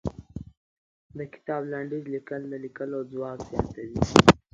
د کتاب لنډيز ليکل د ليکلو ځواک زياتوي.